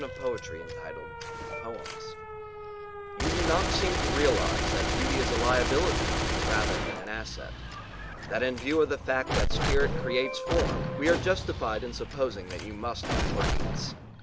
ROSES ONLY You do not seem to realise that beauty is a liability rather than an asset that in view of the fact that spirit creates form we are justified in supposing that you musl: have brains.